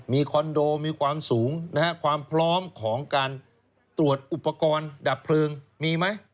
มีคอนโดมีความสูงนะฮะความพร้อมของการตรวจอุปกรณ์ดับเพลิงมีไหม